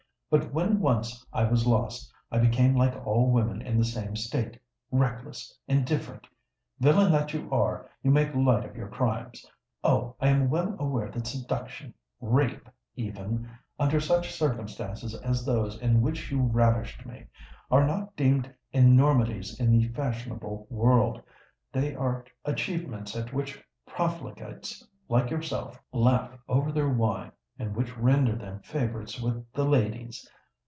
But when once I was lost, I became like all women in the same state—reckless, indifferent! Villain that you are, you make light of your crimes. Oh! I am well aware that seduction—rape, even, under such circumstances as those in which you ravished me—are not deemed enormities in the fashionable world: they are achievements at which profligates like yourself laugh over their wine, and which render them favourites with the ladies!